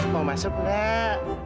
mau masuk enggak